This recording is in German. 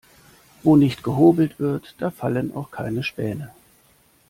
Wo nicht gehobelt wird, da fallen auch keine Späne.